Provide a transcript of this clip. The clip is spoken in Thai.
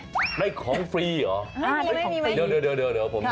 อะไรของฟรีเหรอ